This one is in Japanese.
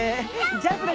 ジャンプの。